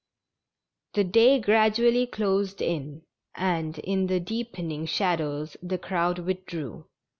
The day gradually closed in, and, in the deepening shadows, the crowd withdrew.